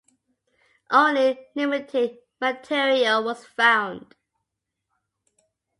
Only limited material was found.